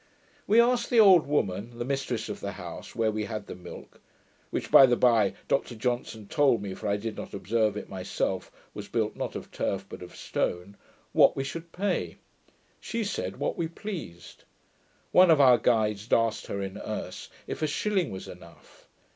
We asked the old woman, the mistress of the house where we had the milk, (which by the bye, Dr Johnson told me, for I did not observe it myself, was built not of turf, but of stone,) what we should pay. She said, what we pleased. One of our guides asked her, in Erse, if a shilling was enough.